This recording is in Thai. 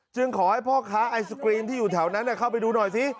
ขอให้พ่อค้าไอศกรีมที่อยู่แถวนั้นเข้าไปดูหน่อยซิ